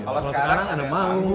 kalo sekarang ada manggung